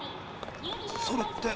それって？